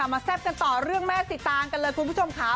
แซ่บกันต่อเรื่องแม่สีตางกันเลยคุณผู้ชมค่ะ